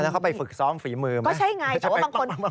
อันนั้นเขาไปฝึกซ้องฝีมือไหม